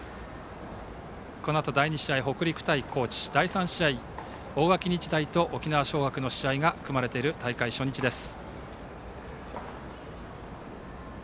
このあと第２試合、北陸対高知第３試合、大垣日大と沖縄尚学の試合が組まれている、大会初日です。